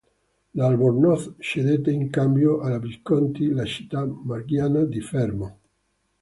L'Albornoz cedette in cambio al Visconti la città marchigiana di Fermo.